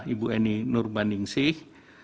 ibu eni nur bandingsih